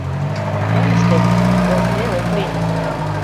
Мом ыштет, возыде ок лий.